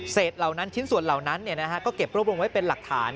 เศษส่วนเหล่านั้นก็เก็บรวบลงไว้เป็นหลักฐาน